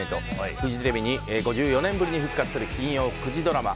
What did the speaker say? フジテレビに５４年ぶりに復活する金曜９時ドラマ